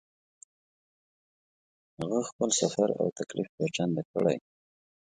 هغه خپل سفر او تکلیف دوه چنده کړی.